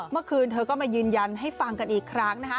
เมื่อคืนเธอก็มายืนยันให้ฟังกันอีกครั้งนะคะ